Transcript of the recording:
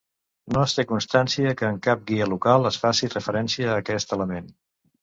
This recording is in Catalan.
No es té constància que en cap guia local es faci referència a aquest element.